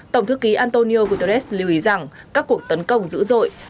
tổng thư ký antonio guterres lưu ý rằng các cuộc tấn công dữ dội